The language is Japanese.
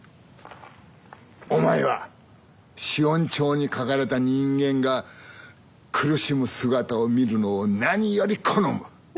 お前は死怨帳に書かれた人間が苦しむ姿を見るのを何より好む！